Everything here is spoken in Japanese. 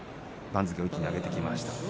番付を一気に上げてきました。